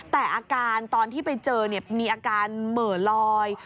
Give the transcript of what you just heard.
แต่อาการตอนที่ไปเจอมีอาการเหม่อลอย